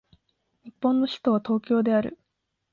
日本の首都は東京である